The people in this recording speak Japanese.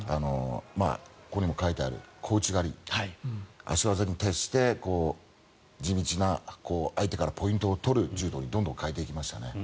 ここにも書いてある小内刈り足技に徹して、地道な相手からポイントを取る柔道にどんどん変えていきましたね。